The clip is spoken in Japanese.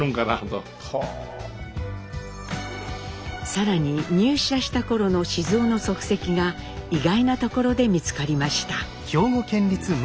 更に入社した頃の雄の足跡が意外なところで見つかりました。